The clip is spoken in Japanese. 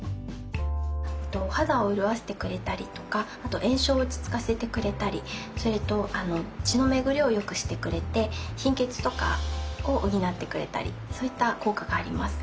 肌を潤してくれたりとかあと炎症を落ち着かせてくれたりそれと血の巡りを良くしてくれて貧血とかを補ってくれたりそういった効果があります。